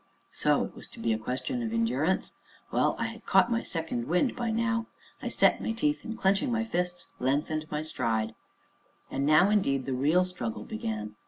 So it was to be a question of endurance? Well, I had caught my second wind by now. I set my teeth, and, clenching my fists, lengthened my stride. And now, indeed, the real struggle began.